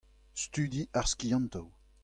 Studi ar skiantoù.